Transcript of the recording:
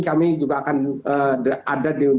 kami juga akan ada